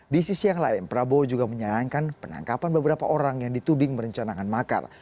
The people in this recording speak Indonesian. di sisi yang lain prabowo juga menyayangkan penangkapan beberapa orang yang dituding merencanakan makar